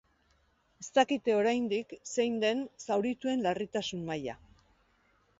Ez dakite oraindik zein den zaurituen larritasun maila.